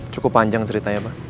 cukup panjang ceritanya pak